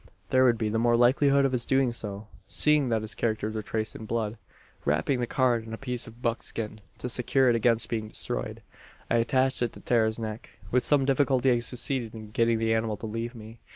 "There would be the more likelihood of his doing so, seeing that the characters were traced in blood. "Wrapping the card in a piece of buckskin, to secure it against being destroyed, I attached it to Tara's neck. "With some difficulty I succeeded in getting the animal to leave me.